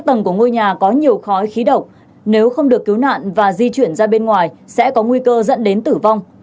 tầng của ngôi nhà có nhiều khói khí độc nếu không được cứu nạn và di chuyển ra bên ngoài sẽ có nguy cơ dẫn đến tử vong